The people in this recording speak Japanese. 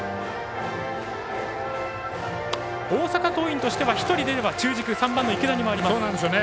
大阪桐蔭としては１人出れば中軸、３番の池田に回ります。